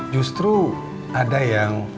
justru ada yang